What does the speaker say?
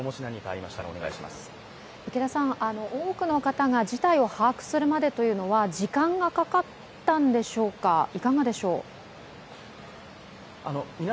多くの方が事態を把握するまでというのは時間がかかったんでしょうか、いかがでしょう？